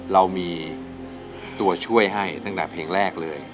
เรามีตัวช่วยให้ตั้งแต่เพลงแรกเลย